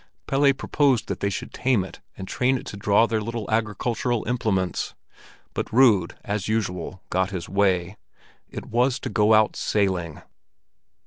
Pelle proposed that they should tame it and train it to draw their little agricultural implements; but Rud, as usual, got his way—it was to go out sailing.